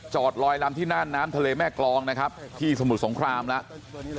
ลอยลำที่น่านน้ำทะเลแม่กรองนะครับที่สมุทรสงครามแล้ว